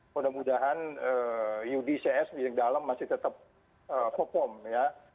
mudah mudahan udcs di dalam masih tetap perform ya